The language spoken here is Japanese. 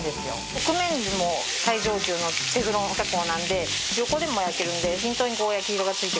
側面も最上級のテフロン加工なので横でも焼けるんで均等に焼き色がついてくれるんですよ。